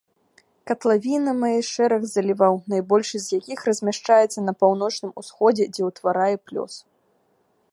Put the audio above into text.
Катлавіна мае шэраг заліваў, найбольшы з якіх размяшчаецца на паўночным усходзе, дзе ўтварае плёс.